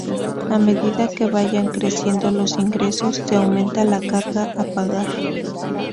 A medida que vayan creciendo los ingresos, se aumenta la carga a pagar.